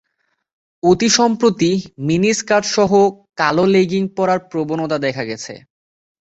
অতি সম্প্রতি মিনিস্কার্টসহ কালো লেগিং পরার প্রবণতা দেখা গেছে।